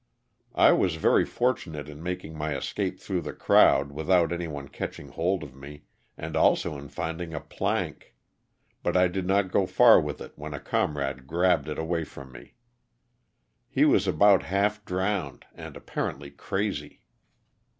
I was very fortunate in making my escape through the crowd without any one catching hold of me and also in finding a plank, but I did not go far with it when a comrade grabbed it away from me. He was about half drowned and apparently crazy.